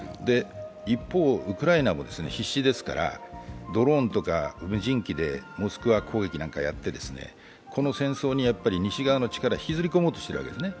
一方、ウクライナも必死ですからドローンとか無人機でモスクワ攻撃なんかやって、この戦争に西側の力を引きずり込もうとしているわけですね。